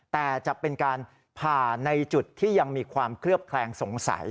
แต่จะเป็นการผ่าในจุดที่ยังมีความเคลือบแคลงสงสัย